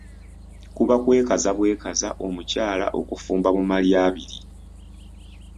Kuba kwekaza bwekaza omukyala okufumba mu malya abiri.